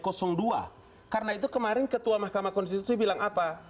karena itu kemarin ketua mahkamah konstitusi bilang apa